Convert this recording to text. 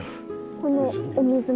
このお水も？